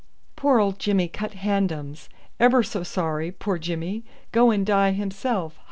"Poor old Jimmy cut handums. Ebber so sorry, poor Jimmy. Go and die himself.